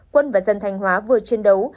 quân và dân thanh hóa vừa chiến đấu